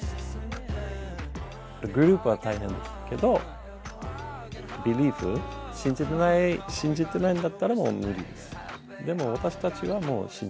グループは大変ですけど、ビリーブ、信じてないんだったらもう無理です。